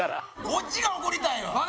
こっちが怒りたいわ。